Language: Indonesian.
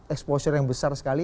exposure yang besar sekali